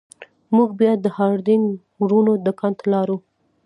موږ بیا د هارډینګ ورونو دکان ته لاړو.